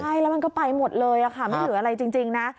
ใช่แล้วมันก็ไปหมดเลยค่ะไม่เหลืออะไรจริงนะ